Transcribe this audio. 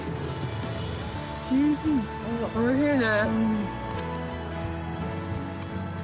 おいしいね。